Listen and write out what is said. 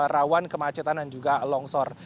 rawan kemacetan dan juga longsor